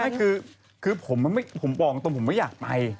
ไม่คือคือผมมันไม่ผมบอกจริงผมไม่อยากไป